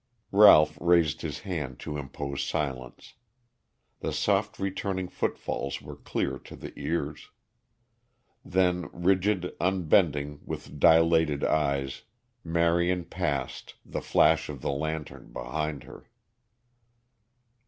Ralph raised his hand to impose silence. The soft returning footfalls were clear to the ears. Then, rigid, unbending, with dilated eyes, Marion passed, the flash of the lantern behind her.